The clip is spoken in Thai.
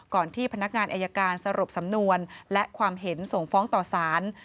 ที่พนักงานอายการสรุปสำนวนและความเห็นส่งฟ้องต่อสาร